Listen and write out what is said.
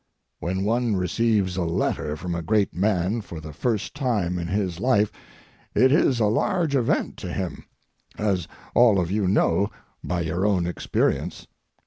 When one receives a letter from a great man for the first time in his life, it is a large event to him, as all of you know by your own experience.